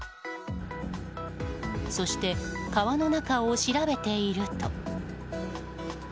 そして、川の中を調べていると。